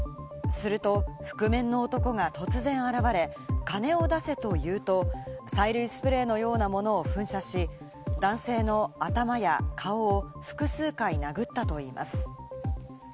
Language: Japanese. すると覆面の男が突然現れ、金を出せと言うと催涙スプレーのようなものを噴射し、男性の頭や顔を複数回、殴ったといいます。